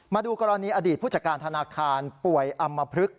มาดูกรณีอดีตผู้จัดการธนาคารป่วยอำมพลึก